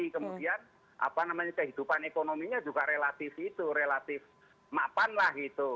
kemudian kehidupan ekonominya juga relatif itu relatif mapan lah gitu